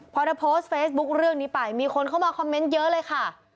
พอเธอโพสต์เฟซบุ๊คเรื่องนี้ไปมีคนเข้ามาคอมเมนต์เยอะเลยค่ะ